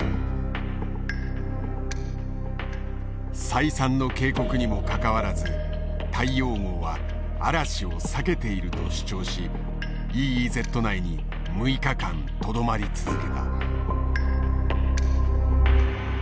再三の警告にもかかわらず大洋号は嵐を避けていると主張しＥＥＺ内に６日間とどまり続けた。